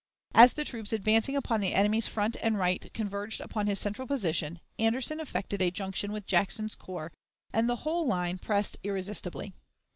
As the troops advancing upon the enemy's front and right converged upon his central position, Anderson effected a junction with Jackson's corps, and the whole line pressed irresistibly.